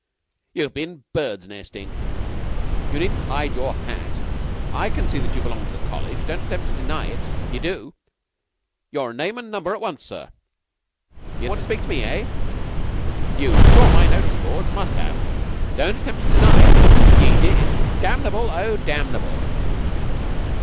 "You've been birds' nesting. You needn't hide your hat. I can see that you belong to the College. Don't attempt to deny it. Ye do! Your name and number at once, sir. Ye want to speak to me Eh? You saw my notice boards? Must have. Don't attempt to deny it. Ye did! Damnable, oh damnable!"